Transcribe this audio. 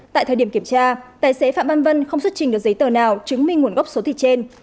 tại thời điểm kiểm tra tài xế phạm văn vân không xuất trình được giấy tờ nào chứng minh nguồn gốc số thịt trên